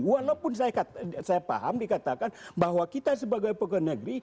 walaupun saya paham dikatakan bahwa kita sebagai pegawai negeri